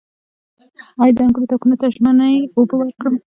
آیا د انګورو تاکونو ته ژمنۍ اوبه ورکړم؟